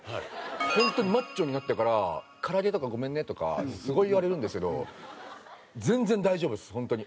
本当にマッチョになってから唐揚げとかごめんねとかすごい言われるんですけど全然大丈夫です本当に。